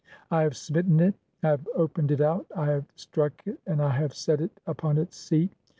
"I have smitten [it], I have opened [it] out, I have struck [it], "and I have set it upon its seat.